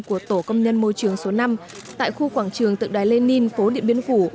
của tổ công nhân môi trường số năm tại khu quảng trường tượng đài lenin phố điện biên phủ